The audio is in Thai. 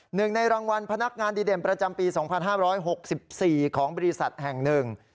หนึ่งในรางวัลพนักงานดีเด่นประจำปี๒๕๖๔ของบริษัทแห่งหนึ่ง